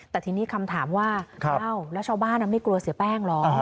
แต่ทีนี้คำถามว่าอ้าวแล้วชาวบ้านไม่กลัวเสียแป้งเหรอ